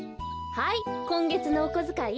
はいこんげつのおこづかい。